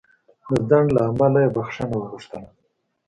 د ځنډ له امله یې بخښنه وغوښتله.